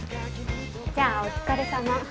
じゃあお疲れさま。